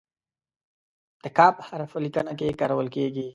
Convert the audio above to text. د "ک" حرف په لیکنه کې کارول کیږي.